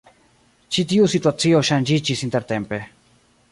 Ĉi tiu situacio ŝanĝiĝis intertempe.